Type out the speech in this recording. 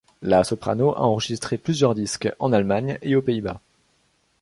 La soprano a enregistré plusieurs disques en Allemagne et aux Pays-Bas.